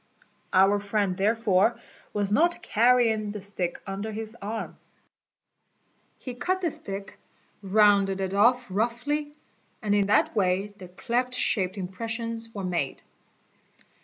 Our friend therefore was not carrying the stick under his arm. He cut the stick, rounded it off roughly, and in that way the cleft shaped impressions" were made.